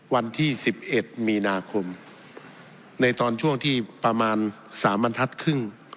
วันที่๑๑มีนาคมในตอนช่วงที่ประมาณ๓บรรทัศน์ครึ่ง